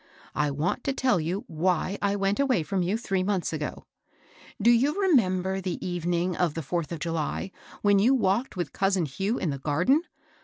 I want to tell you why I went away from you three months ago. Do you r^nember the evening of the fourth of July, when you walked with cousin Hugh in the garden?